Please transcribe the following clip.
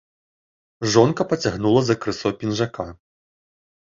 Жонка пацягнула за крысо пінжака.